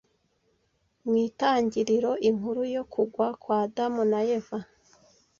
Mw'Itangiriro inkuru yo kugwa kwa Adamu na Eva